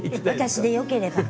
私でよければ。